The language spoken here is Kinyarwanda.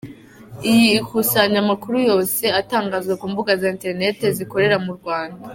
Iyi ikusanya makuru yose atangazwa ku mbuga za Interineti zikorera mu Rwanda.